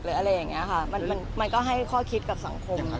อะไรอย่างนี้ค่ะมันก็ให้ข้อคิดกับสังคม